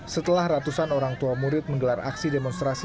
setelah ratusan orang tua murid menggelar aksi demonstrasi